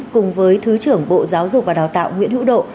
cùng với thứ trưởng bộ giáo dục và đào tạo nguyễn hữu độ